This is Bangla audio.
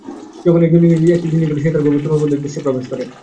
যখন একজন ইংরেজ একটি জিনিষ ধরে, সে তখন তার গভীরতম দেশে প্রবেশ করে।